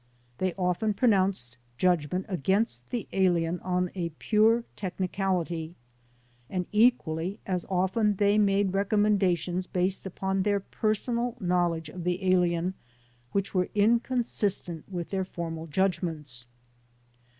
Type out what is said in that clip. They often pro nounced judgment against the alien on a pure techni cality, and equally as often they made recommendations based upon their personal knowledge of the alien which were inconsistent with their formal judgments.